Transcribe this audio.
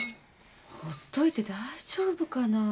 ほっといて大丈夫かな。